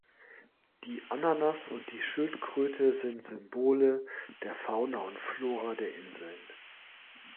Die Ananas und die Schildkröte sind Symbole der Fauna und Flora der Inseln.